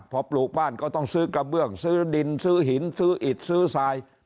พอปลูกบ้านก็ต้องซื้อกระเบื้องซื้อดินซื้อหินซื้ออิดซื้อทราย